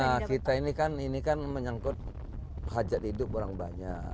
nah kita ini kan ini kan menyangkut hajat hidup orang banyak